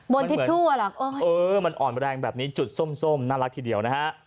ทิชชู่อ่ะเหรอเออมันอ่อนแรงแบบนี้จุดส้มน่ารักทีเดียวนะฮะ